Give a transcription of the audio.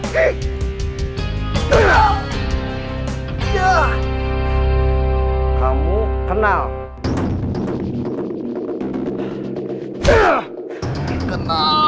kamu juga kena